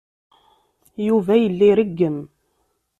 Yuba yella ireggem.